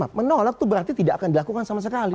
karena menolak itu berarti tidak akan dilakukan sama sekali